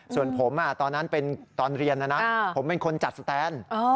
ส่วนผมตอนนั้นเป็นตอนเรียนนะนะผมเป็นคนจัดสแตน